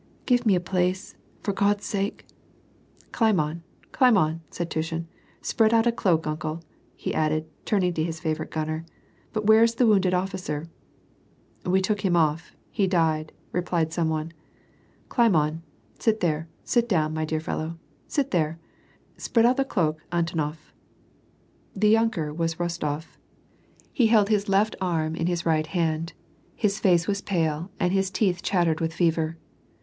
"Give me a place, for Grod's sake !"" Climb on, climb on !" said Tushin. " Spread out a cloak, uncle," he added, turning to his favourite gunner. " But where is the wounded officer ?"" We took him off ; he died," replied some one. " Climb on ! Sit there, sit down, my dear fellow, sit there ! Spread out the cloak, Antonof !" The yunker was Bostof. He held his left arm in his right WAK AND PEACE. 233 hand ; his face was pale, and his teeth chattered with fever.